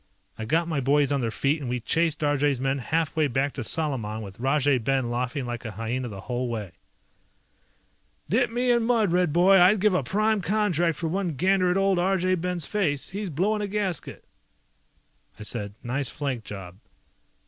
I got my boys on their feet and we chased Arjay's men half way back to Salaman with Rajay Ben laughing like a hyena the whole way. "Dip me in mud, Red boy, I'd give a prime contract for one gander at old Arjay Ben's face. He's blowing a gasket!" I said, "Nice flank job."